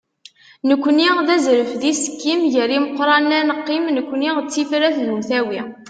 nekkni d azref d isekkim, gar imeqranen ad neqqim, nekkni d tifrat d umtawi.